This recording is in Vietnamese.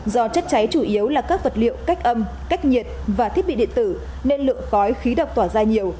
do chất cháy chủ yếu là các vật liệu cách âm cách nhiệt và thiết bị điện tử nên lượng khói khí độc tỏa ra nhiều